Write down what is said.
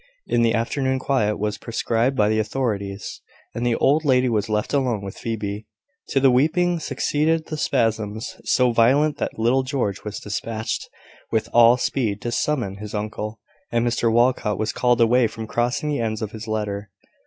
In the afternoon quiet was prescribed by the authorities, and the old lady was left alone with Phoebe. To the weeping succeeded the spasms, so violent that little George was despatched with all speed to summon his uncle, and Mr Walcot was called away from crossing the ends of his letter.